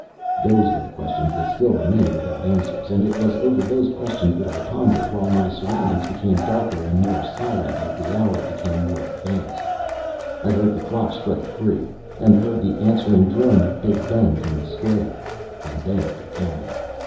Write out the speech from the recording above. Those were the questions that still remained without answers: and it was over those questions that I pondered, while my surroundings became darker and more silent as the hour became more advanced. I heard the clock strike three, and heard the answering drone of Big Ben from the square. And then it began.